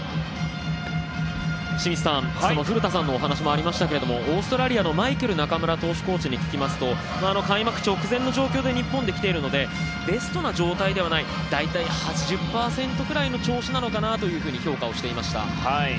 清水さん、古田さんのお話にもありましたがオーストラリアのマイケル中村投手コーチに聞きますと開幕直前の状況で日本に来ているのでベストな状態ではない大体８０％ぐらいの調子かなと評価をしていました。